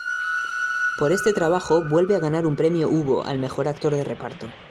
Por este trabajo vuelve a ganar un Premio Hugo al mejor actor de reparto.